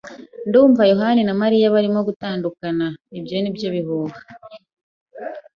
"Ndumva yohani na Mariya barimo gutandukana." "Ibyo ni byo bihuha."